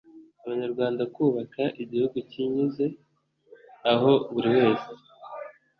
abanyarwanda kubaka igihugu cyiyunze aho buri wese